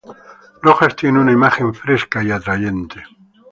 Rojas tiene una imagen fresca y atrayente.